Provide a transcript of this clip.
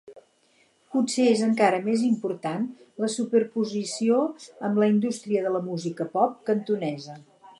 Potser és encara més important la superposició amb la indústria de la música pop cantonesa.